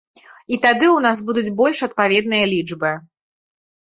І тады ў нас будуць больш адпаведныя лічбы.